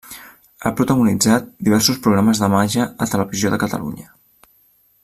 Ha protagonitzat diversos programes de màgia a Televisió de Catalunya.